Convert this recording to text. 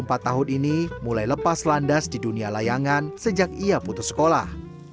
selama empat tahun ini mulai lepas landas di dunia layangan sejak ia putus sekolah